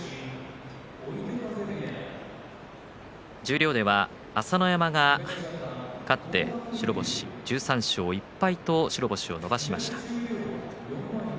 十両では朝乃山が勝って１３勝１敗と白星を伸ばしました。